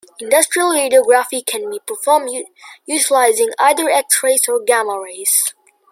Industrial Radiography can be performed utilizing either X-rays or gamma rays.